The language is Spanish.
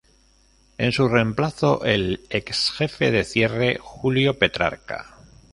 En su reemplazo, el ex jefe de Cierre, Julio Petrarca.